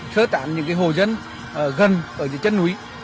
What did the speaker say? sơ tán những hồ dân gần ở dưới chân núi